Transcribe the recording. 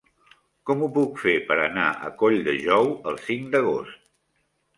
Com ho puc fer per anar a Colldejou el cinc d'agost?